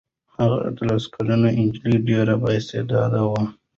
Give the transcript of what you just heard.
هغه اتلس کلنه نجلۍ ډېره بااستعداده وه.